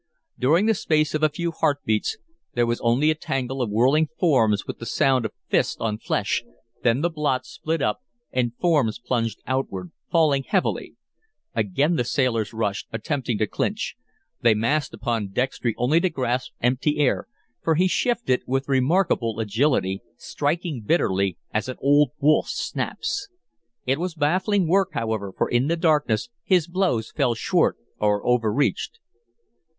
During the space of a few heart beats there was only a tangle of whirling forms with the sound of fist on flesh, then the blot split up and forms plunged outward, falling heavily. Again the sailors rushed, attempting to clinch. They massed upon Dextry only to grasp empty air, for he shifted with remarkable agility, striking bitterly, as an old wolf snaps. It was baffling work, however, for in the darkness his blows fell short or overreached.